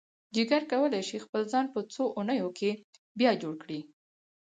جگر کولی شي خپل ځان په څو اونیو کې بیا جوړ کړي.